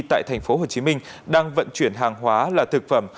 tại thành phố hồ chí minh đang vận chuyển hàng hóa là thực phẩm